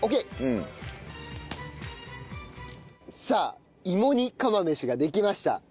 さあ芋煮釜飯ができました。